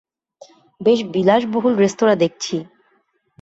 বেশ বিলাসবহুল রেস্তোরাঁ দেখছি।